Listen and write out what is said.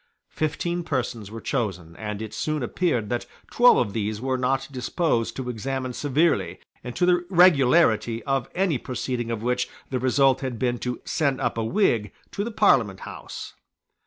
Fifteen persons were chosen, and it soon appeared that twelve of these were not disposed to examine severely into the regularity of any proceeding of which the result had been to send up a Whig to the Parliament House.